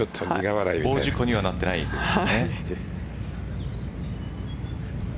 大事故にはなっていないですね。